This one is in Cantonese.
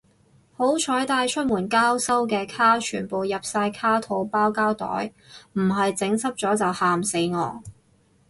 好彩帶出門交收嘅卡全部入晒卡套包膠袋，唔係整濕咗就喊死我